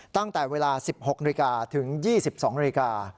ตั้งแต่เวลา๑๖นาฬิกาถึง๒๒นาฬิกา